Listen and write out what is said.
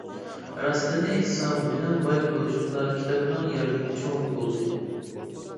راستىنى ئېيتسام، مېنىڭ باي بولۇشۇمدا كىتابنىڭ ياردىمى چوڭ بولدى.